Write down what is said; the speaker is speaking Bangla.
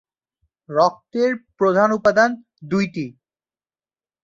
রক্তের প্রধান উপাদান দুইটি।